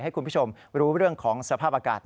ให้คุณผู้ชมรู้เรื่องของสภาพอากาศ